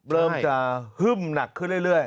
เริ่มจะฮึ่มหนักขึ้นเรื่อย